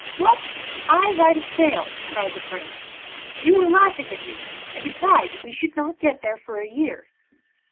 'What! I ride a snail!' cried the Prince; 'you are laughing at me, and beside we should not get there for a year.